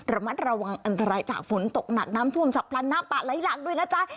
ระมัดระวังอันตรายจากฝนตกหนัดน้ำทวมจากพลันหน้าปะล้ายหลักด้วยนะคะ